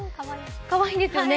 かわいいですよね。